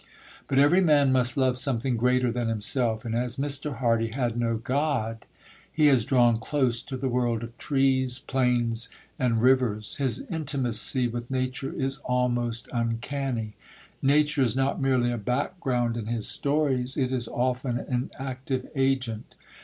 But every man must love something greater than himself, and as Mr. Hardy had no God, he has drawn close to the world of trees, plains, and rivers. His intimacy with nature is almost uncanny. Nature is not merely a background in his stories, it is often an active agent.